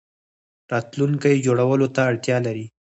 راتلونکی جوړولو ته اړتیا لري